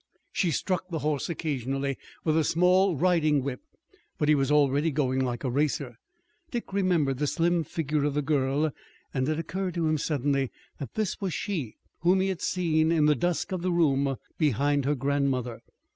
She struck the horse occasionally with a small riding whip, but he was already going like a racer. Dick remembered the slim figure of a girl, and it occurred to him suddenly that this was she whom he had seen in the dusk of the room behind her grandmother.